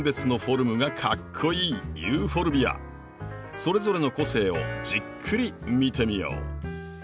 それぞれの個性をじっくり見てみよう。